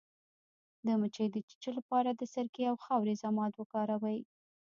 د مچۍ د چیچلو لپاره د سرکې او خاورې ضماد وکاروئ